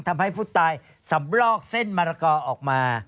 ทำให้ผู้ตายสำลอกเส้นมะละกอออกมา